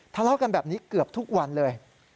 ทะเลาะกันแบบนี้เกือบทุกวันเลย